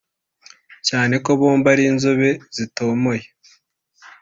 cyane ko bombi ari inzobe zitomoye